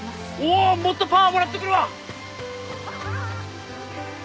もっとパワーもらってくるわ！